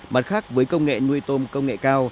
mặt khác với công nghệ nuôi tôm công nghệ cao